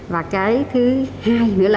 và cái thứ hai nữa là